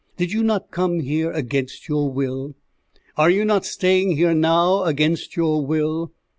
Did you not come here against your will? Are you not staying here now against your will?